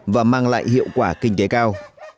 và mang lại hiệu quả kinh tế cao